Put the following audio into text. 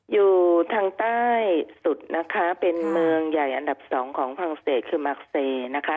อยู่ทางใต้สุดนะคะเป็นเมืองใหญ่อันดับสองของฝรั่งเศสคือมักเซนะคะ